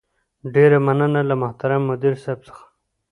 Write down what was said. ډېره مننه له محترم مدير صيب څخه